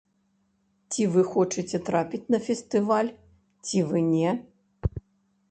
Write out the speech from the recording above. Ці вы хочаце трапіць на фестываль, ці вы не?